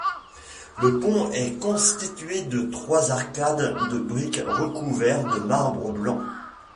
Le pont est constitué de trois arcades de brique recouverts de marbre blanc.